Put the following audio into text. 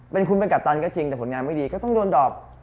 เป็นคุณเป็นกัปตันก็จริงแต่ผลงานไม่ดีก็ต้องโดนดอบ